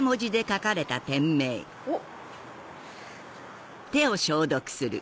おっ。